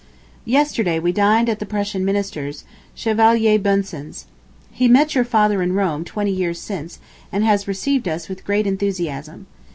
Yesterday we dined at the Prussian Minister's, Chevalier Bunsen's. He met your father in Rome twenty years since, and has received us with great enthusiasm.